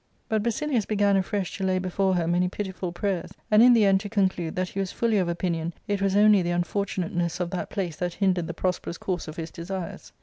But Basilius began afresh to lay before her many pitiful prayers, and in the end to conclude that he was fully of opinion it was only the unfortunateness of that place that hindered the prosperous course of his desires.